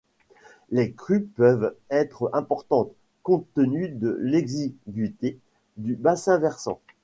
Les crues peuvent être importantes, compte tenu de l'exiguïté du bassin versant.